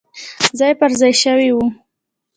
ځای پر ځای شوي وو.